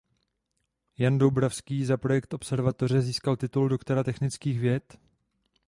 Jan Dubový za projekt observatoře získal titul Doktora technických věd.